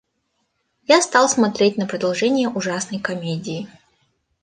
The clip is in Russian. Я стал смотреть на продолжение ужасной комедии.